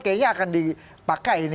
kayaknya akan dipakai ini